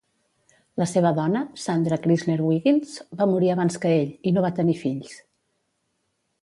La seva dona, Sandra Crysler-Wiggins, va morir abans que ell, i no va tenir fills.